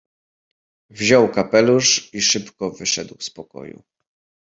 "Wziął kapelusz i szybko wyszedł z pokoju."